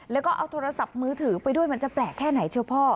แล้วก็เอาโทรศัพท์มือถือไปด้วยมันจะแปลกแค่ไหนเชียวพ่อ